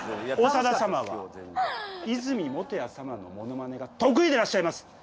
長田様は和泉元彌様のものまねが得意でらっしゃいます！